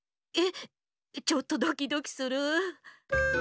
えっちょっとドキドキするう。